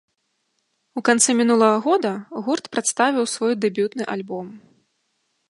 У канцы мінулага года гурт прадставіў свой дэбютны альбом.